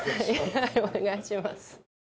はいお願いします。